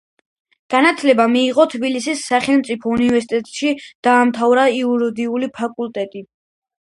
განათლება მიიღო თბილისის სახელმწიფო უნივერსიტეტში, დაამთავრა იურიდიული ფაკულტეტი.